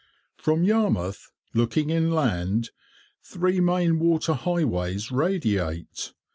From Yarmouth, looking inland, three main water highways radiate.